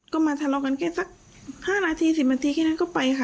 ก็มาทะเลาะกันแค่สัก๕นาที๑๐นาทีแค่นั้นก็ไปค่ะ